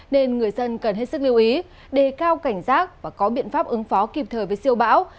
nên người dân cần hết sức lưu ý đề cao cảnh giác và có biện pháp ứng phó kịp thời với siêu bão